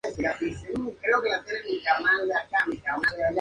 Castigó severamente a los rebeldes y reemplazó a los dignatarios moderados.